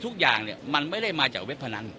ทุกอย่างมันไม่ได้มาจากเว็บพนัน